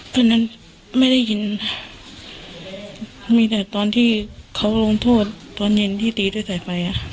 ตอนนั้นไม่ได้ยินมีแต่ตอนที่เขาลงโทษตอนเย็นที่ตีด้วยสายไฟ